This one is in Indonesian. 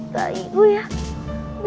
gua ini ditutupi oleh batu